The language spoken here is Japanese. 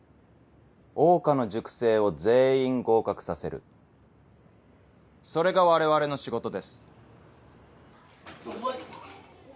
桜花の塾生を全員合格させるそれが我々の仕事です。